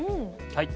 はい。